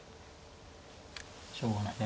しょうがない。